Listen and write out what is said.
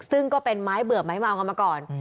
ซึ่งก็เป็นไม้เบื่อไม้เมากันมาก่อน